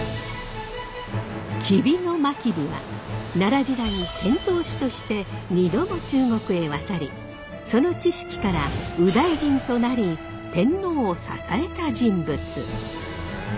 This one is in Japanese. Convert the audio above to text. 吉備真備は奈良時代遣唐使として２度も中国へ渡りその知識から右大臣となり天皇を支えた人物。